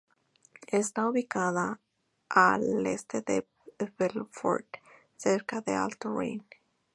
Está ubicada a al este de Belfort, cerca del Alto Rin.